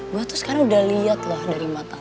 gue tuh sekarang udah liat loh dari mata lo